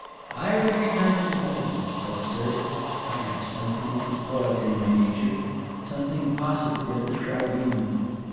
I recognise its elegance; but, sir, I have something of the poet in my nature; something, possibly, of the tribune.